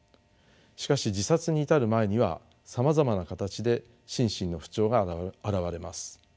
しかし自殺に至る前にはさまざまな形で心身の不調が現れます。